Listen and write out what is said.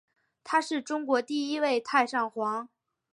他是中国第一位太上皇。